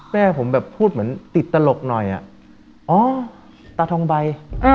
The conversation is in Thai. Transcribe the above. แม่ผมแบบพูดเหมือนติดตลกหน่อยอ๋อตาทองใบ